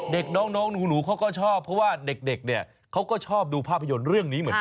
เด็กน้องหนูเขาก็ชอบเพราะว่าเด็กเนี่ยเขาก็ชอบดูภาพยนตร์เรื่องนี้เหมือนกัน